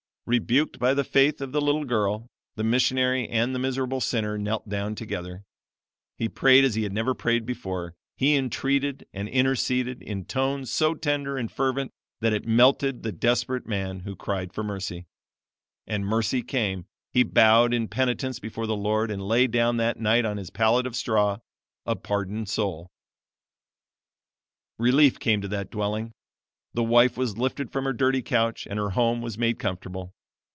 "Rebuked by the faith of the little girl, the missionary and the miserable sinner knelt down together. He prayed as he never prayed before; he entreated and interceded, in tones so tender and fervent that it melted the desperate man, who cried for mercy. And mercy came. He bowed in penitence before the Lord and lay down that night on his pallet of straw a pardoned soul. "Relief came to that dwelling. The wife was lifted from her dirty couch, and her home was made comfortable.